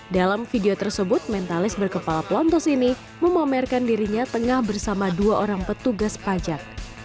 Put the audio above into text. dalam video tersebut mentalis berkepala pelontos ini memamerkan dirinya tengah bersama dua orang petugas pajak